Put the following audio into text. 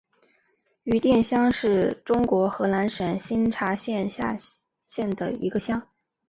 余店乡是中国河南省新蔡县下辖的一个乡。